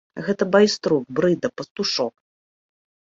Гэты байструк, брыда, пастушок!